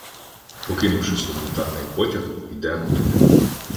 Покинувши санітарний потяг, ідемо туди.